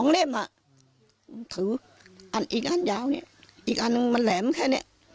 ๒ลิ่มถืออันอีกนี่อีกอันนึงมันแหลมแค่นี้